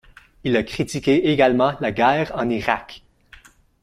Il a critiqué également la guerre en Irak.